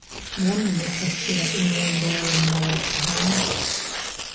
Nyamuneka shyira imyanda yawe mumabati hanze.